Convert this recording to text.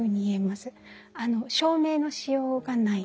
証明のしようがない。